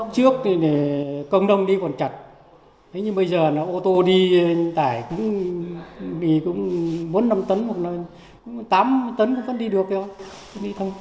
trước thì công đông đi còn chặt bây giờ ô tô đi tải cũng bốn năm tấn tám tấn cũng vẫn đi được